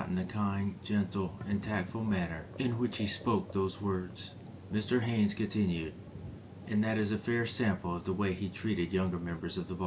186 JUDGE DAVIS AND LINCOLN ten the kind, gentle, and tactful manner in which he spoke those words," Mr. Haines continued; "and that is a fair sample of the way he treated younger members of the bar."